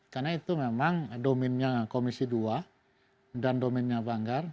karena itu memang dominnya komisi dua dan dominnya banggar